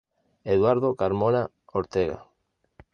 Eduardo Carmona Ortega.